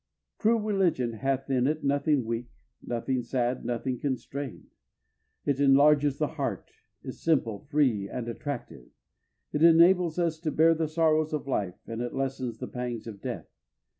True religion hath in it nothing weak, nothing sad, nothing constrained. It enlarges the heart, is simple, free, and attractive. It enables us to bear the sorrows of life, and it lessens the pangs of death.